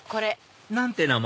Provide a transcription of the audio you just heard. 何て名前？